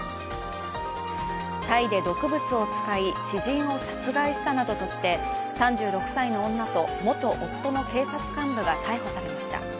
タイで毒物を使い知人を殺害したなどとして３６歳の女と元夫の警察幹部が逮捕されました。